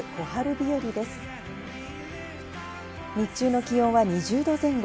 日中の気温は２０度前後。